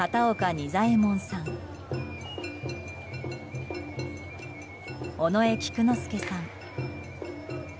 仁左衛門さん尾上菊之助さん。